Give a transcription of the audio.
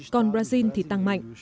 còn brazil thì tăng mạnh